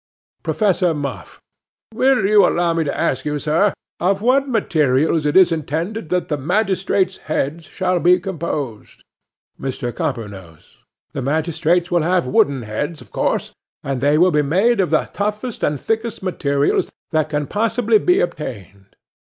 'PROFESSOR MUFF.—Will you allow me to ask you, sir, of what materials it is intended that the magistrates' heads shall be composed? 'MR. COPPERNOSE.—The magistrates will have wooden heads of course, and they will be made of the toughest and thickest materials that can possibly be obtained.